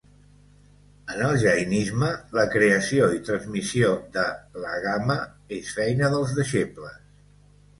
En el jainisme, la creació i transmissió de l'"Agama" és feina dels deixebles.